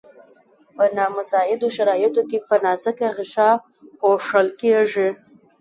په نامساعدو شرایطو کې په نازکه غشا پوښل کیږي.